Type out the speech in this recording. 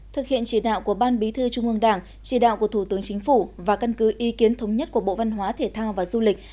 thực hiện chỉ đạo của ban bí thư trung ương đảng chỉ đạo của thủ tướng chính phủ và căn cứ ý kiến thống nhất của bộ văn hóa thể thao và du lịch